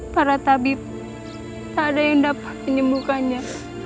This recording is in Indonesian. para tabib tak ada yang dapat menyembuhkannya